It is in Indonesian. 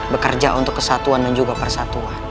bekerja untuk kesatuan dan juga persatuan